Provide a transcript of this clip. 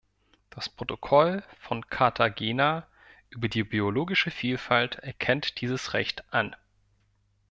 Das Protokoll von Karthagena über die biologische Vielfalt erkennt dieses Recht an.